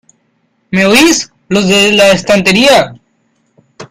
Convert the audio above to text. ¿ Me oís? Los de la estantería